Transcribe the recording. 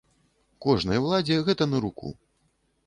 Кожнай уладзе гэта на руку.